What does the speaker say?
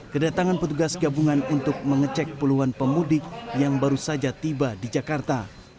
kedatangan petugas gabungan untuk mengecek puluhan pemudik yang baru saja tiba di jakarta